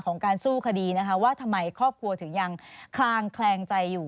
การสู้คดีนะคะว่าทำไมครอบครัวถึงยังคลางแคลงใจอยู่